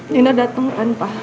nino dateng kan pak